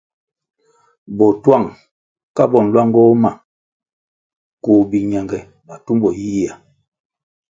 Botuang ka bo nluangoh ma koh biñenge na tumbo yiyia.